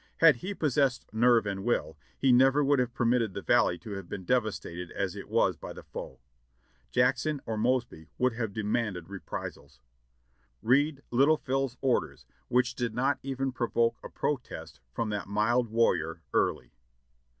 Had he possessed nerve and will, he never would have permitted the Valley to have been devastated as it was by the foe. Jackson or Mosby would have demanded reprisals. Read "Little Phil's" orders, which did not even provoke a protest from that mild warrior. Early.